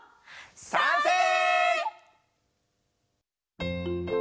さんせい！